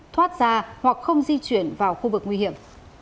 thoát ra hoặc không di chuyển vào khu vực nguy hiểm